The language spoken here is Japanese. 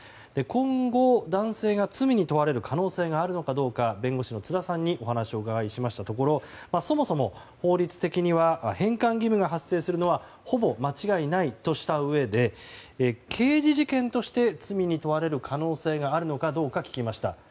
今後、男性が罪に問われる可能性があるのかどうか弁護士の津田さんにお話をお伺いしましたところそもそも法律的には返還義務が発生するのはほぼ間違いないとしたうえで刑事事件として罪に問われる可能性があるのか聞きました。